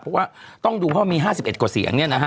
เพราะว่าต้องดูว่ามี๕๑กว่าเสียง